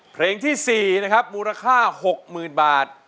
เพลงที่๔นะครับมูลค่า๖๐๐๐บาท